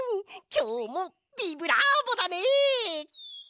きょうもビブラーボだね！